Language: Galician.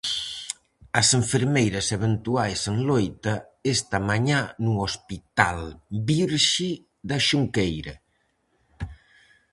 As enfermeiras eventuais en loita esta mañá no Hospital Virxe da Xunqueira.